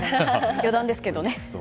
余談ですけどね。